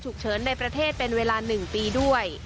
เฉินในประเทศเป็นเวลา๑ปีด้วย